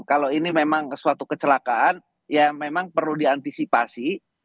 kalau ini memang suatu kecelakaan ya memang perlu diantisipasi